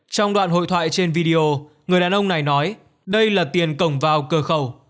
trong đoạn hội thoại trên video người đàn ông này nói đây là tiền cổng vào cửa khẩu